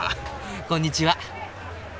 こんにちは。